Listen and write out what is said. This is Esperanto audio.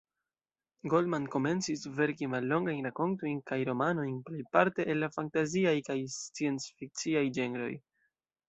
Goldman komencis verki mallongajn rakontojn kaj romanojn, plejparte el la fantaziaj kaj sciencfikciaj ĝenroj.